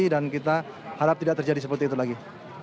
dan kita harap tidak terjadi seperti itu lagi